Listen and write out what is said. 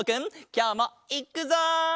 きょうもいっくぞ！